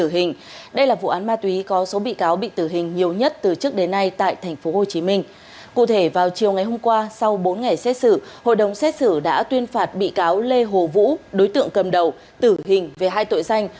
hội đồng xét xử đã tuyên phạt bị cáo lê hồ vũ đối tượng cầm đầu tử hình về hai tội danh